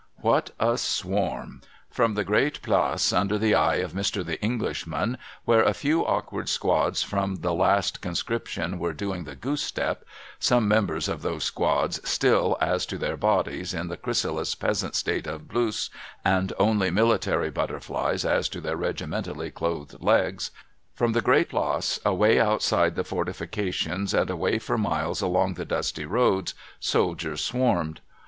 What a swarm ! From the Great Place under the eye of Mr. The Englishman, where a few awkward squads from the last con scription were doing the goose step— some members of those squads still as to their bodies, in the chrysalis peasant state of Blouse, and only military butterflies as to their regimentally clothcd legs — from the Great Place, away outside the fortifications, and away for miles along the dusty roads, soldiers swarmed.